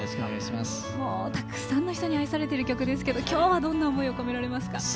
たくさんの人に愛されている曲ですけども今日はどんな思いを込められますか？